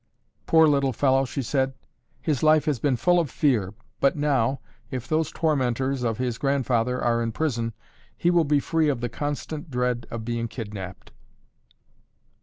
"Poor little fellow," she said. "His life has been full of fear, but now, if those tormentors of his grandfather are in prison, he will be free of the constant dread of being kidnapped."